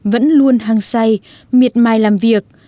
vẫn luôn hang say miệt mài làm việc